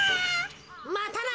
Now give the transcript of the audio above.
またな。